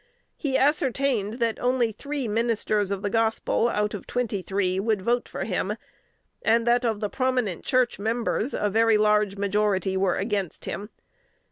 He ascertained that only three ministers of the gospel, out of twenty three, would vote for him, and that, of the prominent church members, a very large majority were against him."